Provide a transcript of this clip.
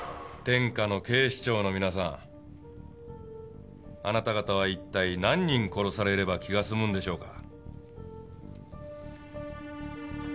天下の警視庁の皆さんあなた方は一体何人殺されれば気が済むんでしょうか？